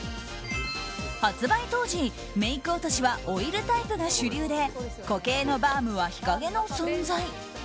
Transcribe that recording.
発売当時、メイク落としはオイルタイプが主流で固形のバームは日陰の存在。